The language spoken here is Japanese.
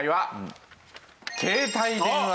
「携帯電話」！